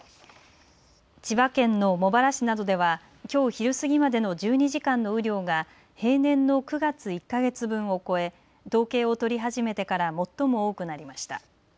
千葉県の茂原市などではきょう昼過ぎまでの１２時間の雨量が平年の９月１か月分を超え統計を取り始めてから最も多くなりました。